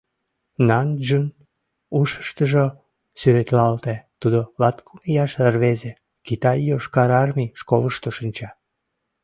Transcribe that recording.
Нан Чжун ушыштыжо сӱретлалте: тудо, латкум ияш рвезе, Китай Йошкар Армий школышто шинча.